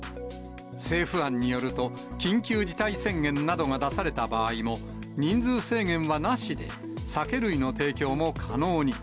政府案によると、緊急事態宣言などが出された場合も、人数制限はなしで酒類の提供も可能に。